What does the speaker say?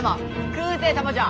空誓様じゃ！